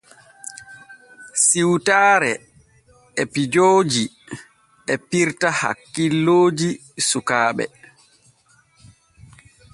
Siwtaare e pijoojo e pirta hakkilooji sukaaɓe.